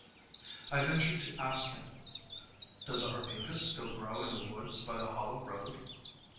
I ventured to ask him, "Does Arbutus still grow in the woods by the Hollow road?"